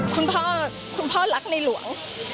คุณพ่อคุณพ่อรักในหลวง